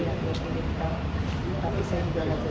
sekarang saya tidak bisa menerima video video ini